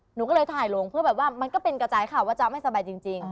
หนูก็เลยถ่ายลงเพื่อแบบว่ามันก็เป็นกระจายข่าวว่าจ๊ะไม่สบายจริง